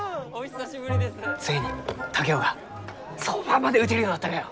ついに竹雄がそばまで打てるようになったがよ。